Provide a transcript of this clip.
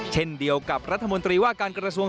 เช่นเดียวกับรัฐมนตรีว่าการกระทรวง